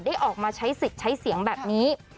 ออกมาใช้สิทธิ์ใช้เสียงแบบนี้